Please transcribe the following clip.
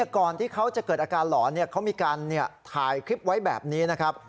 ก่อนที่เขาจะเกิดอาการหลอนเขามีการถ่ายคลิปไว้แบบนี้นะครับ